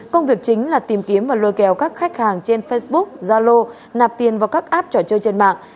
công việc chính là tìm kiếm và lôi kéo các khách hàng trên facebook zalo nạp tiền vào các app trò chơi trên mạng